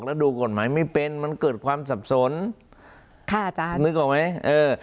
แล้วดูกฎหมายไม่เป็นมันเกิดความสับสนค่ะอาจารย์นึกออกไหมเออ